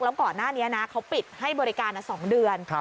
แล้วก่อนหน้านี้นะเขาปิดให้บริการ๒เดือน